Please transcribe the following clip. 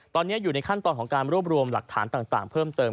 ตอนนี้อยู่ในขั้นตอนของการรวบรวมหลักฐานต่างเพิ่มเติม